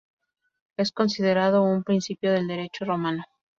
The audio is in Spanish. Es considerado un principio del Derecho Romano.